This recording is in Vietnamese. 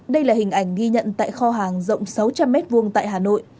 đây là hình ảnh ghi nhận tại kho hàng rộng sáu trăm linh m hai tại hà nội